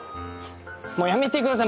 もうやめてください